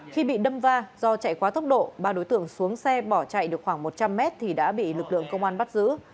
khi bị đâm va do chạy quá tốc độ ba đối tượng xuống xe bỏ chạy được khoảng một trăm linh mét thì đã bị lực lượng công an bắt giữ